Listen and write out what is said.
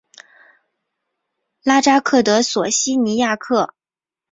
拉扎克德索西尼亚克。